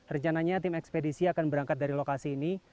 rencananya tim ekspedisi akan berangkat dari lokasi ini